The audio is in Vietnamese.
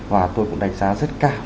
và tôi cũng đánh giá rất cao